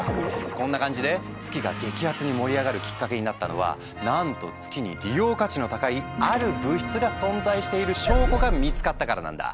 こんな感じで月が激アツに盛り上がるきっかけになったのはなんと月に利用価値の高いある物質が存在している証拠が見つかったからなんだ。